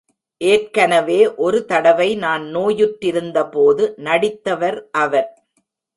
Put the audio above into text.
ஏற்கனவே ஒரு தடவை நான் நோயுற்றிருந்தபோது நடித்தவர் அவர்.